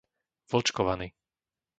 Vlčkovany